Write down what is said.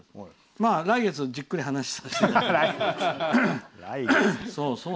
来月じっくり話させてください。